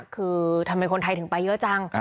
คือทำไมคนไทยถึงไปเยอะจัง